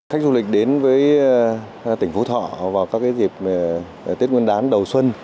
khách du lịch đến với tỉnh phú thọ vào các dịp tết nguyên đán đầu xuân